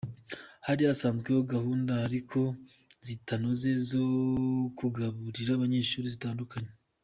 Hari hasanzweho gahunda ariko zitanoze zo kugaburira abanyeshuri zitandukanye.